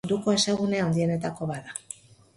Munduko hezegune handienetako bat da.